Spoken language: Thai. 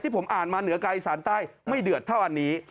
ผมอ่านมาเหนือกายอีสานใต้ไม่เดือดเท่าอันนี้